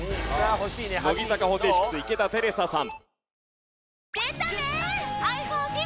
乃木坂４６池田瑛紗さん。